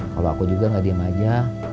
kalau aku juga gak diem aja